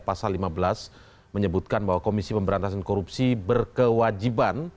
pasal lima belas menyebutkan bahwa komisi pemberantasan korupsi berkewajiban